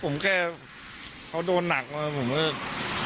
ผมแค่เขาโดนหนักมาแล้วผมเลือก